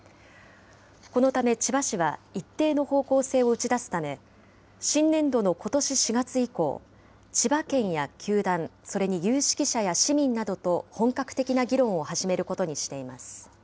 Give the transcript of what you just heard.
このため、千葉市は一定の方向性を打ち出すため、新年度のことし４月以降、千葉県や球団、それに有識者や市民などと本格的な議論を始めることにしています。